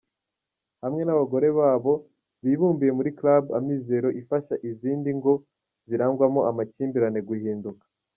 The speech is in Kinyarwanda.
Hamwe n’abagore babo, bibumbiye muri Club Amizero ifasha izindi ngo zirangwamo amakimbirane guhinduka.